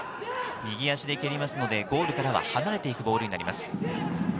右足で蹴るのでゴールからは離れていくボールになります。